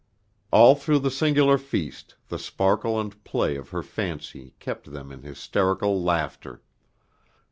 All through the singular feast the sparkle and play of her fancy kept them in hysterical laughter.